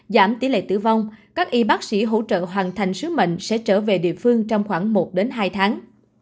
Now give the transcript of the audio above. giảm tỷ lệ tử vong các y bác sĩ hỗ trợ hoàn thành sứ mệnh sẽ trở về địa phương trong khoảng một hai tháng